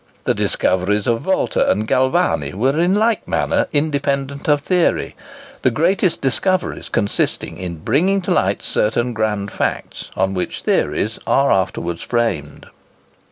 The discoveries of Volta and Galvani were in like manner independent of theory; the greatest discoveries consisting in bringing to light certain grand facts, on which theories are afterwards framed.